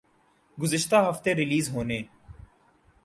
گزشتہ ہفتے ریلیز ہونے